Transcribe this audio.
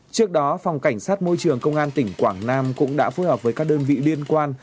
trước đó phòng cảnh sát môi trường công an tỉnh quảng nam cũng đã phối hợp với các đơn vị liên quan